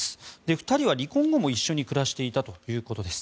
２人は離婚後も一緒に暮らしていたということです。